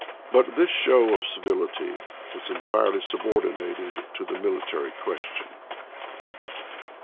But this show of civility was entirely subordi nated to the military question.